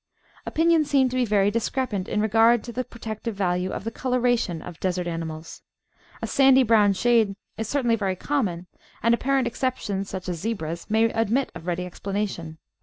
Opinions seem to be very discrepant in regard to the protective value of the coloration of desert animals. A sandy brown shade is certainly very common, and apparent exceptions, such as zebras, may admit of ready explanation.